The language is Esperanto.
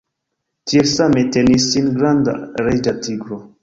Tiel same tenis sin granda reĝa tigro.